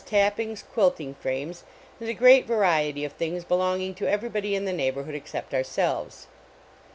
Tapping > quilting frames, and a great variety of things belonging to everybody in the neighborhood except our elves.